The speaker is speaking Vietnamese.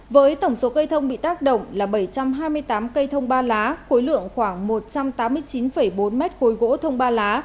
với tổng số cây thông bị tác động là bảy trăm hai mươi tám cây thông ba lá khối lượng khoảng một trăm tám mươi chín bốn mét khối gỗ thông ba lá